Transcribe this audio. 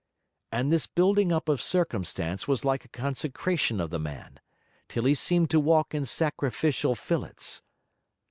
And this building up of circumstance was like a consecration of the man, till he seemed to walk in sacrificial fillets.